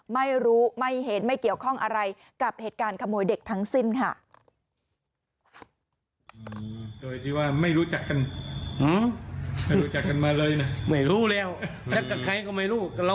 ไม่รู้ไม่เห็นไม่เกี่ยวข้องอะไรกับเหตุการณ์ขโมยเด็กทั้งสิ้นค่ะ